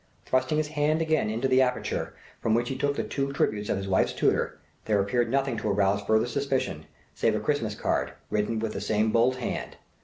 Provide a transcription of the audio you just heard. Thrusting his hand again into the aperture from which he took the two tributes of his wife's tutor, there appeared nothing to arouse further suspicion, save a Christmas card, written with the same bold hand.